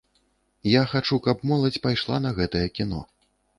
Я хачу, каб моладзь пайшла на гэтае кіно.